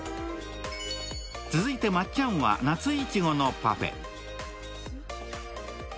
続いてまっちゃんは夏いちごのパフェ。